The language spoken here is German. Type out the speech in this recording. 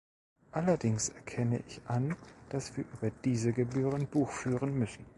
Allerdings erkenne ich an, dass wir über diese Gebühren Buch führen müssen.